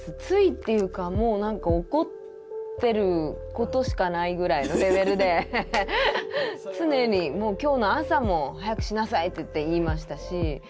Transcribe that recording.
ついっていうかもう何か怒ってることしかないぐらいのレベルで常にもう今日の朝も「早くしなさい！」って言いましたし。